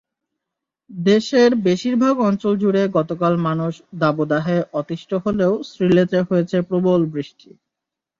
দেশের বেশির ভাগ অঞ্চলজুড়ে গতকাল মানুষ দাবদাহে অতিষ্ঠ হলেও সিলেটে হয়েছে প্রবল বৃষ্টি।